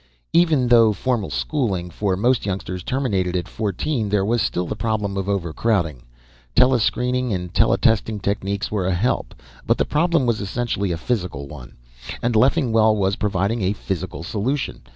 Even though formal schooling, for most youngsters, terminated at fourteen, there was still the problem of overcrowding. Telescreening and teletesting techniques were a help, but the problem was essentially a physical one. And Leffingwell was providing a physical solution.